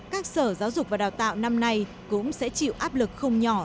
các sở giáo dục và đào tạo năm nay cũng sẽ chịu áp lực không nhỏ